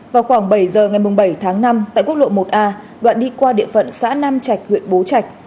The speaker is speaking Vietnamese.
vào khoảng bảy giờ ngày bảy tháng năm tại quốc lộ một a đoạn đi qua địa phận xã nam trạch huyện bố trạch